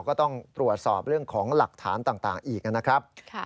ก็ต้องตรวจสอบเรื่องของหลักฐานต่างอีกนะครับ